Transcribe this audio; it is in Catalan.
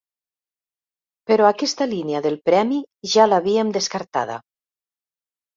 Però aquesta línia del premi ja l'havíem descartada.